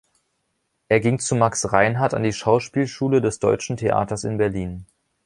Er ging zu Max Reinhardt an die Schauspielschule des Deutschen Theaters in Berlin.